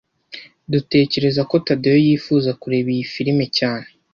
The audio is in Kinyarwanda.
Dutekereza ko Tadeyo yifuza kureba iyi firime cyane